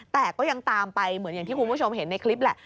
แต่ก็ยังตามไปเหมือนอย่างที่คุณผู้ชมเห็นในคลิปแหละ